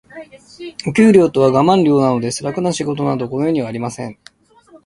お給料とはガマン料なのです。楽な仕事など、この世にはありません。